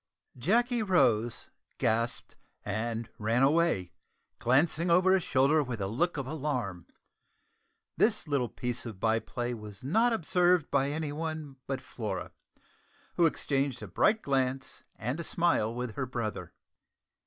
Jacky rose, gasped, and ran away, glancing over his shoulder with a look of alarm. This little piece of by play was not observed by any one but Flora, who exchanged a bright glance and a smile with her brother.